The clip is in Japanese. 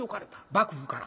幕府から。